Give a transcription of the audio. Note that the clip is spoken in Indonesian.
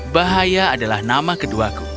bahaya adalah nama keduaku